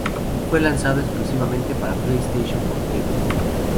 Fue lanzado exclusivamente para PlayStation Portable.